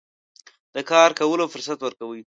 د کار کولو فرصت ورکوي.